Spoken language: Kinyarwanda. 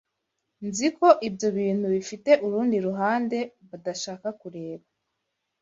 Nziko ibyo bintu bifite urundi ruhande badashaka kureba